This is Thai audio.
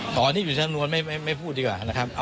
อ๋ออันนี้อยู่ในสำนวนไม่พูดดีกว่านะครับ